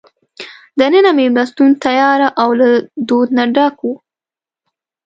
دننه مېلمستون تیاره او له دود نه ډک وو.